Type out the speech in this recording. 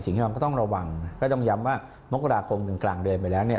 สิ่งที่มันก็ต้องระวังก็ต้องย้ำว่ามกราคมถึงกลางเดือนไปแล้วเนี่ย